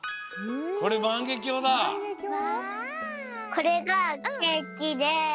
これがケーキで。